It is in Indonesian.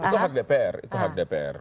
itu hak dpr itu hak dpr